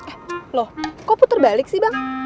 eh loh kok puter balik sih bang